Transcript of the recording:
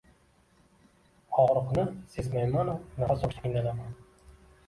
Og‘riqni sezmaymanu nafas olishga qiynalaman.